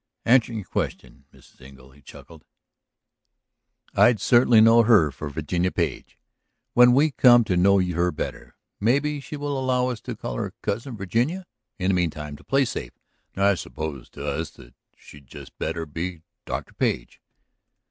"Answering your question, Mrs. Engle," he chuckled, "I'd certainly know her for Virginia Page! When we come to know her better maybe she will allow us to call her Cousin Virginia? In the meantime, to play safe, I suppose that to us she'd better be just Dr. Page?"